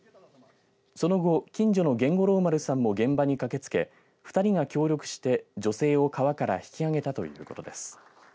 その後、近所の源五郎丸さんも現場に駆けつけ２人が協力して女性を川から引き揚げたということです。